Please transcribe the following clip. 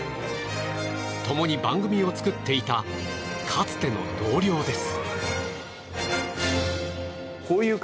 共に番組を作っていたかつての同僚です。